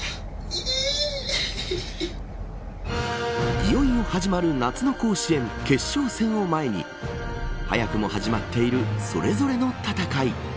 いよいよ始まる夏の甲子園決勝戦を前に早くも始まっているそれぞれの戦い。